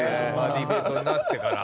リモートになってから。